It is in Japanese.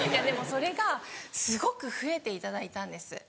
でもそれがすごく増えていただいたんです。